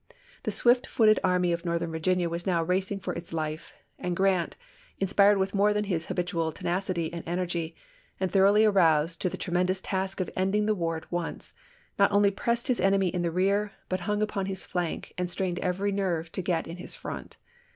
The swift footed Army of Northern Virginia was now racing for its life ; and Grant, inspired with more than his habitual tenacity and energy, and thoroughly aroused to the tre mendous task of ending the war at once, not only pressed his enemy in the rear, but hung upon his flank, and strained every nerve to get in his front.